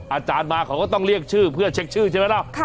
อาจารย์มาเขาก็ต้องเรียกชื่อเพื่อเช็คชื่อใช่ไหมล่ะ